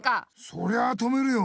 そりゃあ止めるよ。